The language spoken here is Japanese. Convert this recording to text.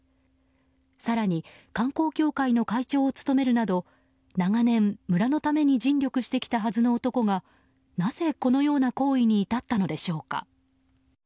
更に観光協会の会長を務めるなど長年、村のために尽力してきたはずの男がなぜ、このような行為に至ったのでしょうか。